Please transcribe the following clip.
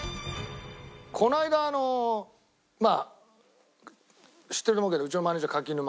この間まあ知ってると思うけどうちのマネージャー柿沼。